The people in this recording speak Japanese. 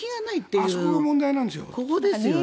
あそこが問題なんです。